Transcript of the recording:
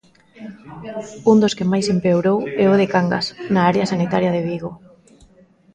Un dos que máis empeorou é o de Cangas, na área sanitaria de Vigo.